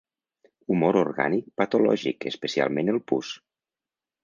Humor orgànic patològic, especialment el pus.